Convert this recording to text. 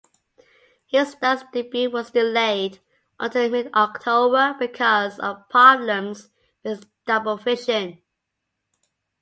His Ducks debut was delayed until mid-October because of problems with double vision.